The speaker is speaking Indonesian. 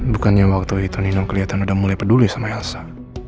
bukannya waktu itu nino kelihatan udah mulai peduli sama elsa